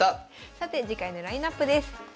さて次回のラインナップです。